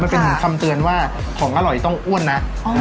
มันเป็นคำเตือนว่าของอร่อยต้องอ้วนนะ